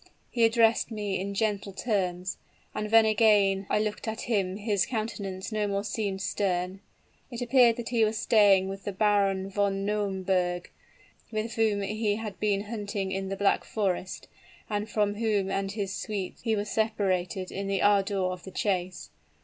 He addressed me in gentle terms; and when again I looked at him his countenance no more seemed stern. It appeared that he was staying with the Baron von Nauemberg, with whom he had been out hunting in the Black Forest, and from whom and his suite he was separated in the ardor of the chase.